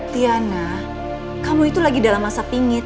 tiana kamu itu lagi dalam masa pingit